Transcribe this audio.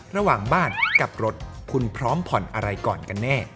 ระหว่างบ้านกับรถคุณพร้อมผ่อนอะไรก่อนกันแน่